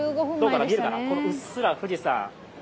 うっすら富士山。